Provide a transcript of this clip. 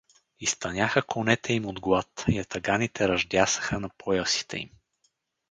Изтъняха конете им от глад, ятаганите ръждясаха на поясите им.